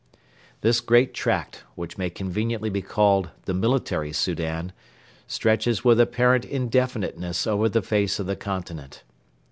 This great tract, which may conveniently be called 'The Military Soudan,' stretches with apparent indefiniteness over the face of the continent.